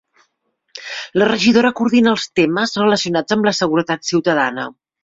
La regidora coordina els temes relacionats amb la seguretat ciutadana.